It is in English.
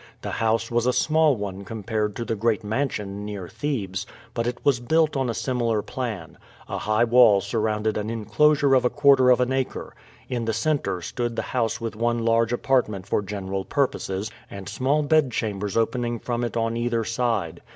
The house was a small one compared to the great mansion near Thebes, but it was built on a similar plan. A high wall surrounded an inclosure of a quarter of an acre. In the center stood the house with one large apartment for general purposes, and small bedchambers opening from it on either side.